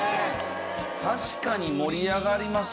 確かに盛り上がりますよね。